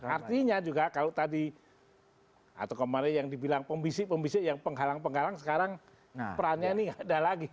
artinya juga kalau tadi atau kemarin yang dibilang pembisik pembisik yang penghalang penghalang sekarang perannya ini nggak ada lagi